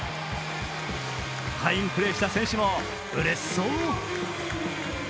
ファインプレーした選手もうれしそう。